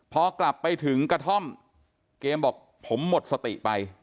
พอกลับไปถึงกระท่อมเกมบอกผมหมดสติไป